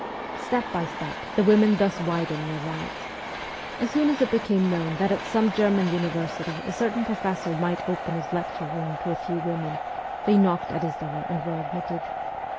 Step by step the women thus widened their rights. As soon as it became known that at some German university a certain professor might open his lecture room to a few women, they knocked at his door and were admitted.